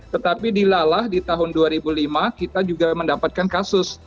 tetapi dilalah di tahun dua ribu lima kita juga mendapatkan kasus